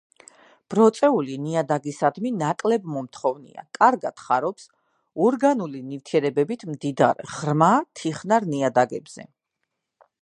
ბროწეული ნიადაგისადმი ნაკლებმომთხოვნია, კარგად ხარობს ორგანული ნივთიერებებით მდიდარ ღრმა თიხნარ ნიადაგებზე.